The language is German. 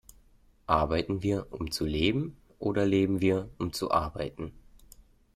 Arbeiten wir, um zu leben oder leben wir, um zu arbeiten?